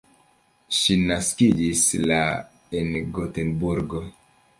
Ŝi naskiĝis la en Gotenburgo.